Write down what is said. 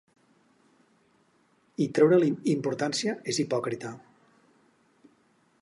I treure-li importància és hipòcrita.